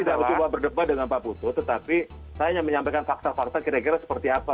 saya tidak cuma berdebat dengan pak putu tetapi saya hanya menyampaikan fakta fakta kira kira seperti apa